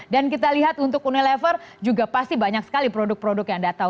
kita lihat untuk unilever juga pasti banyak sekali produk produk yang anda tahu